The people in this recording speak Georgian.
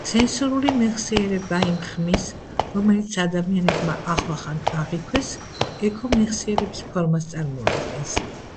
სენსორული მეხსიერება იმ ხმის, რომელიც ადამიანებმა ახლახან აღიქვეს, ექო-მეხსიერების ფორმას წარმოადგენს.